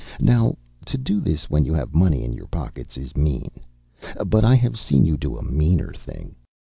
Now, to do this when you have money in your pockets is mean. But I have seen you do a meaner thing.